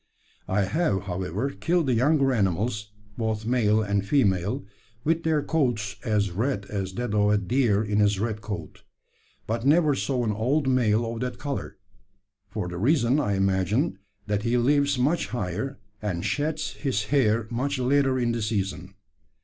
I have, however, killed the younger animals, both male and female, with their coats as red as that of a deer in his red coat; but never saw an old male of that colour, for the reason, I imagine, that he lives much higher, and sheds his hair much later in the season.